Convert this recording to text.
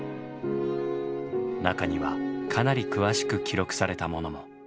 中にはかなり詳しく記録されたものも。